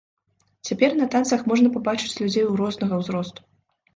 Цяпер на танцах можна пабачыць людзей рознага ўзросту.